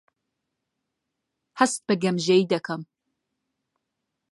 هەست بە گەمژەیی دەکەم.